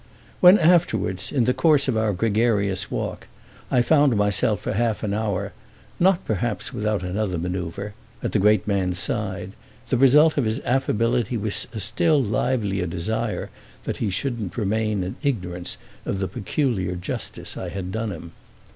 When afterwards, in the course of our gregarious walk, I found myself for half an hour, not perhaps without another manœuvre, at the great man's side, the result of his affability was a still livelier desire that he shouldn't remain in ignorance of the peculiar justice I had done him.